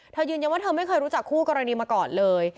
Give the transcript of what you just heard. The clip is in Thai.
ยืนยันว่าเธอไม่เคยรู้จักคู่กรณีมาก่อนเลย